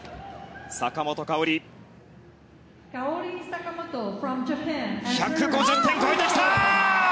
坂本花織１５０点を超えてきた！